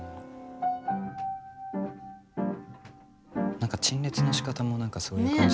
何か陳列のしかたもそういう感じ。